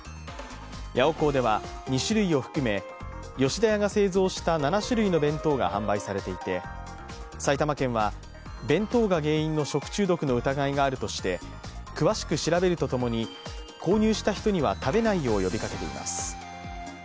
ヤオコーでは２種類を含め吉田屋が製造した７種類の弁当が販売されていて埼玉県は弁当が原因の食中毒の疑いがあるとして、詳しく調べるとともに購入した人には食べないよう呼びかけています。